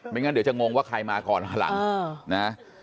ไม่งั้นเดี๋ยวจะงงว่าใครมาก่อนหลัง